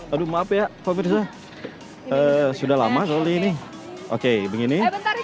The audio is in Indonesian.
aduh maaf ya sudah lama soalnya ini oke begini